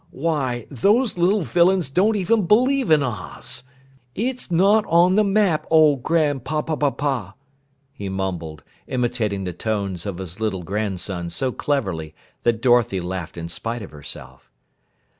"Why, those little villains don't even believe in Oz! 'It's not on the map, old Grandpapapapapah!'" he mumbled, imitating the tones of his little grandsons so cleverly that Dorothy laughed in spite of herself.